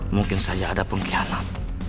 mungkin saya ada pengkhianat